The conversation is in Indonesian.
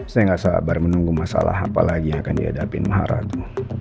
saya gak sabar menunggu masalah apalagi yang akan dihadapi maharatu